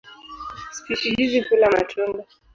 Spishi hizi hula matunda.